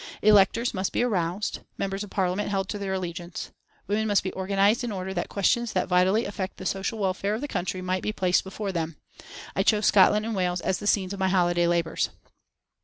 Electors must be aroused, members of Parliament held to their allegiance. Women must be organised in order that questions that vitally affect the social welfare of the country might be placed before them. I chose Scotland and Wales as the scenes of my holiday labours.